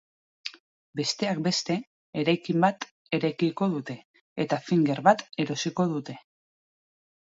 Besteak beste, eraikin bat eraikiko dute, eta finger bat erosiko dute.